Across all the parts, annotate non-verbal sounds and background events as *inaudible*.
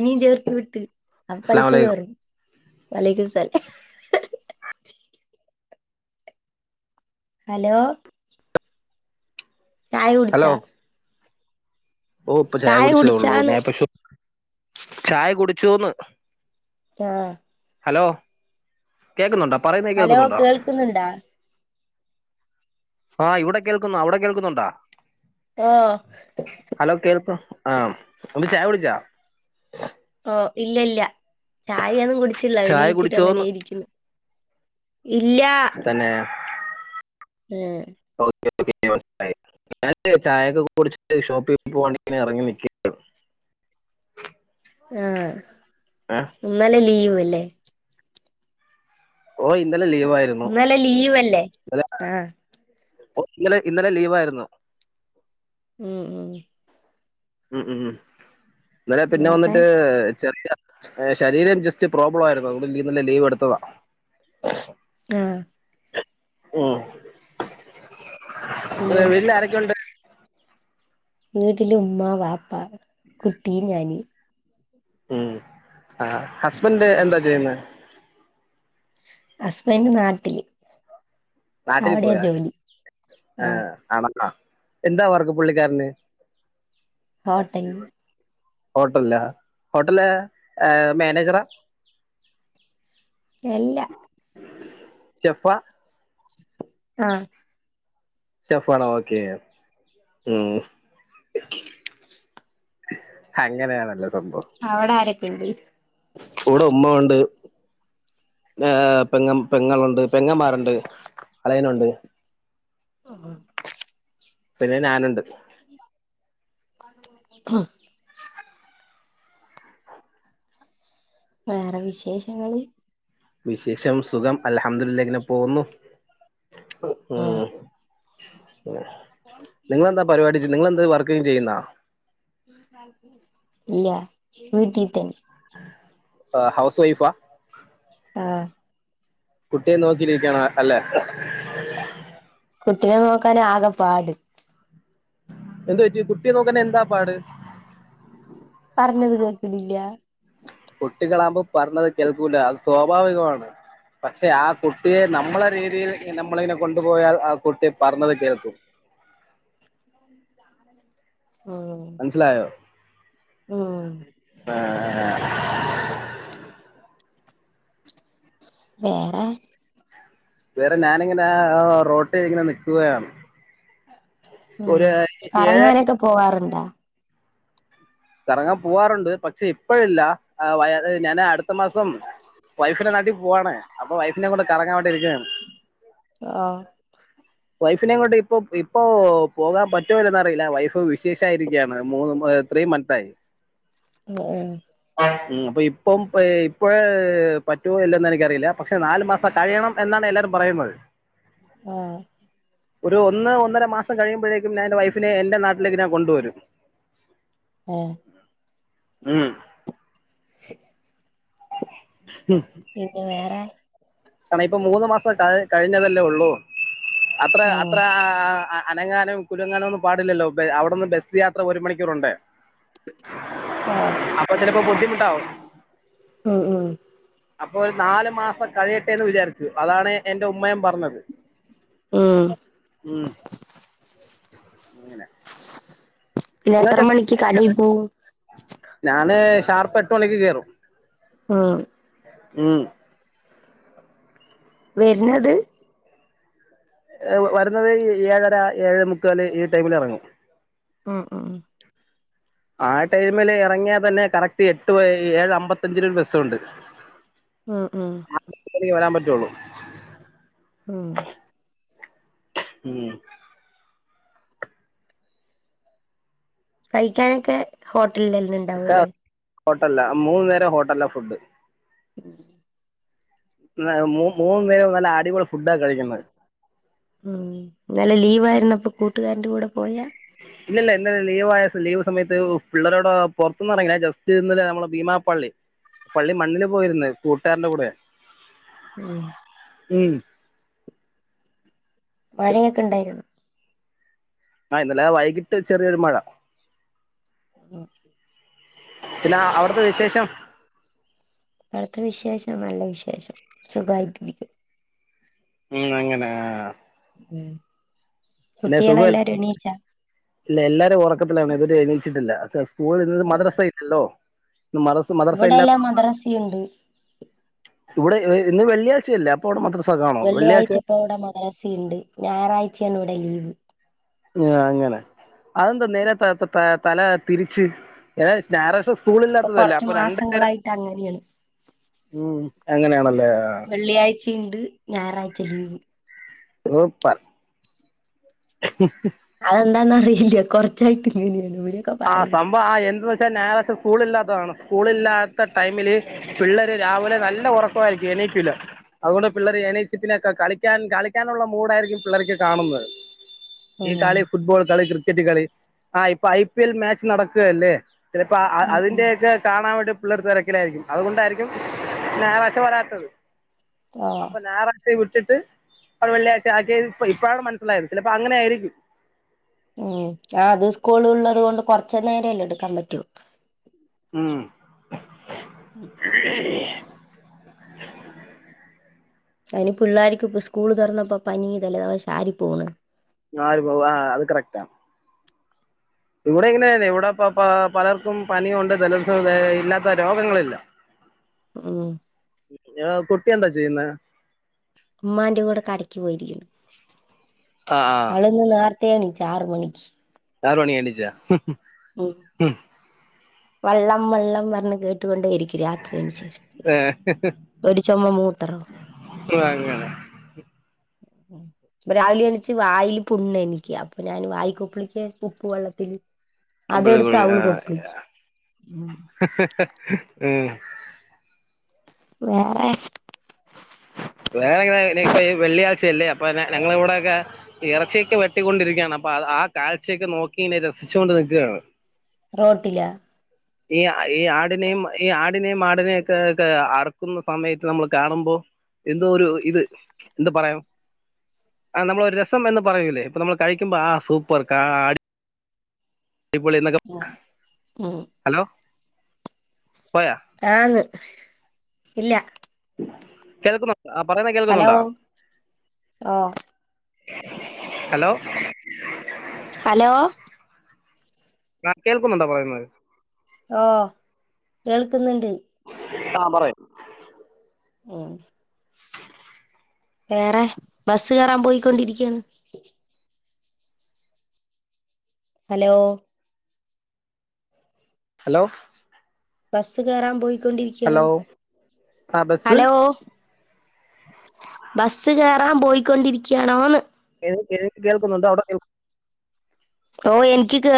ഇനിം ചേർത്ത് വിട്ട് അപ്പോ പൈസ അസ്ലാമലൈക്കും കേറും വലൈകുസ്സലാം അലോ ചായ ഹലോ കുടിച്ചോ ഓ ഇപ്പൊ ചായ കുടിച്ചതൊള്ളൂ കുടിച്ചാന്ന് ഞാനിപ്പോ ശു ചായ കുടിച്ചൂന്ന് ആ ഹലോ കേക്കുന്നുണ്ടോ ഹലോ കേൾക്ക്ന്ന്ണ്ടോ ആ ഇവടെ കേൾക്കുന്നു അവടെ കേൾക്കുന്നുണ്ടോ ആ ആ ഒന്ന് ചായ കുട്ച്ചോ ഒ ഇല്ലല്ല ചായെന്നും കുടിച്ചില്ല ചായ കുടിച്ചോന്ന് എണീച്ചിട്ടങ്ങനെ ഇരിക്ക്ന്ന് ഇല്ലാ തന്നെ ഏ *unintelligible* ചായൊക്കെ കുടിച്ച് ണ്ട് ഷോപ്പി പോവാ വാണ്ടി ഇങ്ങനെ എറങ്ങി നിക്കെ ട്ടും ആഹ് ഇന്നലെ ലീവ് അല്ലേ ഏ ഓയ് ഇ ഇന്നലെ ലീവല്ലേ ഇന്നലെ ആഹ് ഓ ഇന്നലെ ഇന്നലെ ലീവായിരുന്നു ഉം ഉം ഉം ഉം ഇന്നെലെ പിന്നെ വേറെ വന്നിട്ട് ചെറിയ ഏ ശരീരം ജസ്റ്റ് പ്രോബ്ലം ആയിരുന്നു *unintelligible* ഇന്നെലെ ലീവ് എടുത്തതാ ആഹ് പിന്നെ ആഹ് വിൽ ആരൊക്കെ ഉണ്ട് വീട്ടില് ഉമ്മ വാപ്പ ആഹ് കുട്ടിയി ഞാനി ഉം ആ ഹസ്ബന്ഡ് എന്താ ചെയ്യുന്നെ ഹസ്ബൻഡറ് നാട്ടില് നാട്ടിൽ അവിടെയാ പോയ ജോലി ആ ആഹ് ആണ അ എന്താ വർക്ക് പുള്ളിക്കാരന് ഹോട്ടെലില് ഹോട്ടല്ലോ ഹോട്ടല് മാനേജറാ എല്ല ജഫ ആ ഷെഫണോ ഓക്കെ മ് അങ്ങനെയാണല്ലോ സം- അവിടെ ആരൊക്കെ ണ്ട് ഇവിടെ ഉമ്മ ഉണ്ട് ഏ പെങ്ങ പെങ്ങളുണ്ട് പെങ്ങന്മാരുണ്ട് അളിയനുണ്ട് ആ പിന്നെ നാനുണ്ട് ആഹ വേറെ വിശേഷങ്ങള് വിശേഷം സുഖം അലഹദുള്ള ഇങ്ങനെ പോകുന്നു മ് ഉം നിങ്ങെന്താ പരിപാടി നിങ്ങെന്താ വർക്ക് യും ചെയ്യുന്ന ഇല്ല വീട്ടിതന്നെ ആ ഹൗസ് വൈഫാ ആഹ് കുട്ടിയെ നോക്കിരിക്കണ അല്ലെ കുട്ടിനെ നോക്കാൻ ആകെ പാട് എന്ത് പറ്റി കുട്ടി നോക്കൻ എന്താ പാട് പറഞ്ഞത് കേക്കലില്ല കുട്ടികളാമ്പോ പറഞ്ഞത് കേൾക്കൂല്ല അത് സ്വാഭാവികമാണ് പക്ഷെ ആ കുട്ടിയെ നമ്മള രീതിയിൽ നമ്മളയിനെ കൊണ്ടുപോയാൽ ആ കുട്ടി പറഞ്ഞത് കേൾക്കും മനസ്സിലായോ മ്മ് മ്മ് ആ ആ വേറെ വേറെ ഞാനിങ്ങനെ റോട്ടി ഇങ്ങനെ നിക്കുകയാണ് ഉം ഒരു ഏഴ് കറങ്ങാനൊക്കെ പോവാറുണ്ടാ കറങ്ങാൻ പൂവാറുണ്ട് പക്ഷെ ഇപ്പഴില്ല ഞാന് അടുത്ത മാസം വൈഫിന്റെ നാട്ടിൽ പോവാണ് അപ്പൊ വൈഫിനെ കൊണ്ട് കറങ്ങാൻ വേണ്ടിരിക്കുകയാണ് ആഹ് വൈഫിനേം കൊണ്ട് ഇപ്പൊ ഇപ്പൊ പോകാൻ പറ്റുമല്ലന്ന് അറിയില്ല വൈഫ് വിശേഷായിരിക്കയാണ് മൂന്ന് ത്രീ മന്ത്സ്‌ തൈ ഉഹ ഉ അപ്പൊ ഇപ്പം ഇപ്പോഴ പറ്റോ ഇല്ലന്ന് എനിക്കറിയില്ല പക്ഷെ നാല് മാസം കഴിയണം എന്നാണ് എല്ലാരും പറയുന്നത് ആ ഒരു ഒന്ന് ഒന്നര മാസം കഴിയുമ്പോഴേക്കും ഞാൻ എന്റെ വൈഫിനെ എൻറെ നാട്ടിലേക്ക് ഞാൻ കൊണ്ടുവരും ആ ഉം *unintelligible* പിന്നെ വേറെ കണം ഇപ്പൊ മൂന്ന് മാസം കഴ് കഴിഞ്ഞതല്ലേ ഒള്ളൂ അത്ര ഉം അത്രാ അനങ്ങാനോ കുല്ങ്ങാനോ ഒന്നും പാടില്ലല്ലോ ബെ അവിടുന്ന് ബെസ് യാത്ര ഒരു മണിക്കൂറുണ്ട് ആഹ് അപ്പച്ചിലപ്പോ പാെട്ടി ത്തൗ ഉം ഉം അപ്പോ ഒര് നാല് മാസം കഴി യട്ടെന്ന് വിചാരിച്ചു അതാണ് എന്റെ ഉമ്മയും പറ ന്നത് ഉം ഉം അങ്ങനെ *unintelligible* ഇന്ന് എത്ര മണിക്ക് കടി പോവും കാലത്തെട്ട് മണിക്ക് കേറും ആ ഉം വര്ണത് വരുന്നത് ഏഴര ഏഴര മുക്കാല് ഈ ടൈമിലെറങ്ങും ആ ആ ആ ടൈമില് ഇറങ്ങിയാ തന്നെ കറക്റ്റ് എട്ട് ഏഴ് അമ്പത്തഞ്ച്നൊരു ബസുണ്ട് ആ ആ റ്റുള്ളൂ ആ ഉം കഴിക്കാനൊക്കെ ഹോ ട്ടൽലെന്നെണ്ടാവും അല്ലേ ഹോട്ടൽലാ മൂന്ന് നേരം ഹോട്ടൽലാ ഫുഡ് ഉം മൂ മൂന്നു നേരും നല്ല അടിപൊളി ഫുഡാ കഴിക്കുന്നേ ഉം ന്നെലെ ലീവായിര്ന്നപ്പ കൂട്ട്കാര്ന്റെ കൂടെ പോയ ഇല്ലില്ല ഇന്നലെ ലീവ് ആയസം ലീവ് സമയത്ത് പിള്ളേരോടെ പുറത്ത്ന്ന്റങ്ങിന ജസ്റ്റ് ഇന്നല്ലേ ഞമ്മളെ ഭീമാ പള്ളി പള്ളി മണ്ണില് പോയിര്ന്ന് കൂട്ടാരന്റെ കൂടെ ഉം ഉം മഴയൊക്കെ ഇണ്ടായിനോ ആ ഇന്നല വൈകിട്ട് ചെറിയൊരു മഴ ഉം പിന്ന അവിടുത്തെ വിശേഷം പടത്തെ വിശേഷം നല്ല വിശേഷം സുഖായിക്ക് ഉം അങ്ങനെ ആ ഉം പിന്നെ സുഖ കുട്ടികളെല്ലാരും എണീച്ചാ ഇല്ല എല്ലാരും ഒറ ക്കത്തിലാണ് അവര് എണീച്ചിട്ടില്ല സ്കൂൾ ഇന്ന് ഓഹ് മദ്രാസല്ലല്ലോ മ മദർസ ഇവിടെല്ലാം ഇല്ലാത്ത മദ്രസയുണ്ട് ഇവിടെ ഇന്ന് വെള്ളിയാ *unintelligible* അപ്പോളും മദ്റ വെള്ളിയാഴ്ച ഇപ്പ ഇവിടെ മദരസുണ്ട് ഞായറാഴ്ചയാണ് ഇവിടെ ലീവ് ആ അങ്ങനെ അതന്താ *unintelligible* സ്ഥല തിരിച്ച് ഏ ഞായറാഴ്ച സ് ഇപ്പൊ സ്കൂളില്ലാത്തതല്ലേ കൊറച്ച് അപ്പൊ *unintelligible* മാസങ്ങളായിട്ട് അങ്ങനെയാണ് ഉം അങ്ങനെയാണല്ലേ വെള്ളിയാഴ്ചയുണ്ട് ഞായറാഴ്ച ലീവ് സൂപ്പർ *inaudible* അതെന്താന്ന് അറിയില്ല കൊറച്ചായിട്ട് ഇന ആഹ് സംഭവ ആ എന് പക്ഷെ ഞായറാ്െ സ്കൂള ഇല്ലാത്തതാണ് സ്കൂള ഇില്ലാത്ത ടൈമില് പിള്ളര് രാവിലെ നല്ല ഉറക്കമായിരിക്കും എണീക്കൂല അതുകൊണ്ട് പിള്ളേര് എണീച്ച പിന്നെക്കെ കളിക്കാൻ കളിക്കാനുള്ള മൂഡായിരിക്കും പിള്ളർക്ക് കാണുന്നത് ഉം കളി ഫുട്ബോൾ കളി കൃ ടികള് ആ ഇപ്പയി പിൽ മാച്ച് നടക്കുക അല്ലേ ചിലപ്പോ അ ഉം ഉം അതിന്റെയൊക്കെ കാണാൻ വേണ്ടി പിള്ളേർ തിരക്കിലായിരിക്കും അതുകൊണ്ടായിരിക്കും ഞായറാഴ്ച വരാത്തത് ആഹ് അപ്പൊ ഞായറാ *unintelligible* ട്ടിട്ട് അവടെ വെള്ളിയാഴ്ച *unintelligible* ഇപ്പോഴാണ് മനസ്സിലായത് ചിലപ്പോ അങ്ങനെ ആയിരിക്കും ഉം ആ അത് സ്കൂള് ഉള്ളത് കൊണ്ട് കൊറച്ച് നേരല്ലെ എടുക്കാൻ പറ്റോ ഉം അതിനി പിള്ളേർക്ക് ഇപ്പ സ്കൂള് തുറന്നപ്പോ പനി ജലദോഷം ആര് പോന്ന് ആര് പോവാ അത് കറക്റ്റ ഇവിടെ ഇങ്ങനെ തന്നെ ഇവിടെപ്പ പ പലർക്കും പനിയുണ്ട് ജലസ ഇല്ലാത്ത രോഗങ്ങളില്ല ഉം നോ കുട്ടി എന്താ ചെയ്യുന്നെ ഉമ്മാൻ്റെ കൂടെ കടക്ക് പോയിരിക്കുന്നു ആഹ് ആഹ് അള് നിന്ന് നേർ ത്തേണ്ച്ച് ആറ് മണിക്ക് ആറ് മണി എണിച്ചാ ഉം വള്ളം വെള്ളം പറഞ്ഞ് കേട്ടുകൊണ്ടേയിരി ക്ക് രാത്രി എനിച്ച് ഏഹ് ഒരു ചുമ മൂത്രോ ഉം രാവിലെ എണിച്ച് വായിൽ പുണ്ണ് എനിക്ക് അപ്പൊ ഞാൻ വായിക്കുപ്പളിക്ക് ഉപ്പ് വെള്ളത്തില് അതെടുത്ത് *unintelligible* അവള് ആ കൊപ്പിളിക്കും ഉം ഏഹ് വേറെ വേറെ എങ്ങനെ ഇപ്പൊ ഈ വെള്ളിയാഴ്ചയല്ലേ അപ്പൊ ഞങ്ങൾ ഇവിടെയൊക്കെ ഇറച്ചിയൊക്കെ വെട്ടിക്കൊണ്ടിരിക്കയാണ് അപ്പ അ ആ കാഴ്ചയൊക്കെ നോക്കി ഇനി രസിച്ചുണ്ട് നിക്കാണ് റോട്ടിലാ ഈ ഈ ആടിനെയും ഈ ആടിനെയും ആടിനെ ഒക്കെ അറക്കുന്ന സമയത്ത് നമ്മൾ കാണുമ്പോ എന്തോ ഒരു ഇത് എന്താ പറയാം ആ നമ്മള ഒരു രസം എന്ന് പറയൂലേ ഇപ്പ നമ്മൾ കഴിക്കുമ്പോ ആ സൂപ്പർ കാ ട് ടിപൊളി എന്നൊക്കെ ഉം ഹലോ പോയാ ആന്ന് ഇല്ല കേൾക്കുന്നോ ആ പറയുന്ന ഹലോ കേൾക്കൊന്നുണ്ടാ ഓ ഹലോ ഹലോ ആ കേൾക്കുന്നുണ്ടോ പറയുന്നത് ഓ കേൾക്കുന്ന ആ പറയ് ഉം വേറെ ബസ് കയറാൻ പോയിക്കൊണ്ടിരിക്കയാണ് ഹലോ ഹലോ ബസ് കേയറാൻ പോയി ക്കൊണ്ടിരിക്കാണ് ഹലോ ആ ബസ് ഹലോ ബസ്സ് കയറാൻ പോയിക്കൊണ്ടിരിക്കയാണോന്ന് കേ കേൾക്കുന്നുണ്ട് അവിടെ കേൾ ഓ എനിക്ക് കേ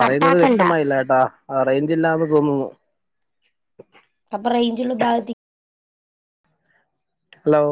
പറയുന്നത് വ്യക്തമായില്ല ഏട്ടാ റൈഞ്ചില്ലാന്ന് തോന്നുന്നു അപ്പ റയ്ഞ്ചുള്ള ഭാഗത്തി ഹലോ